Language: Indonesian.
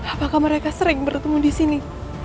apakah mereka sering bertemu di sini